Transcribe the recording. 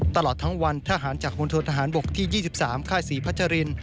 ตลอดทั้งวันทหารจากมณฑนทหารบกที่๒๓ค่ายศรีพัชริน